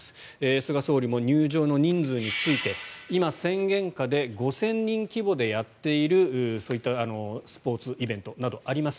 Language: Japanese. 菅総理も入場の人数について今、宣言下で５０００人規模でやっているそういったスポーツイベントなどあります。